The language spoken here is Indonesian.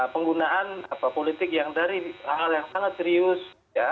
penggunaan politik yang dari hal hal yang sangat serius